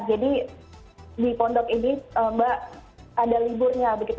di pondok ini mbak ada liburnya begitu